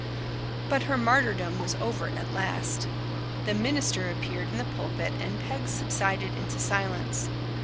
But her martyrdom was over at last. The minister appeared in the pulpit and Peg subsided into silence.